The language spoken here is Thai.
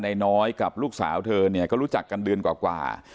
น้อยกับลูกสาวเธอเนี่ยก็รู้จักกันเดือนกว่า